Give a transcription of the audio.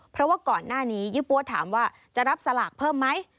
เพราะว่าก่อนหน้านี้ยี่ปั๊วถามว่าจะรับสลากเพิ่มไหม